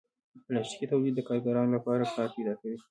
پلاستيکي تولید د کارګرانو لپاره کار پیدا کوي.